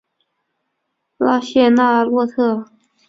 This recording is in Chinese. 拉谢纳洛特。